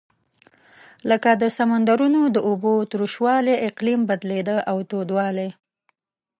لکه د سمندرونو د اوبو تروش والۍ اقلیم بدلېده او تودوالی.